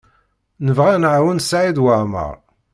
Nebɣa ad nɛawen Saɛid Waɛmaṛ.